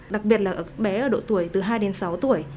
đặc biệt là bé ở độ tuổi từ hai đến sáu tuổi